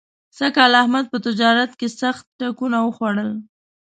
سږ کال احمد په تجارت کې سخت ټکونه وخوړل.